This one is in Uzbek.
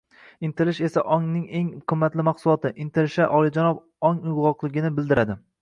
Intilishlar esa ongning eng qimmatli mahsuloti. Intilishlar olijanob ong uyg’onganligini bildiradi.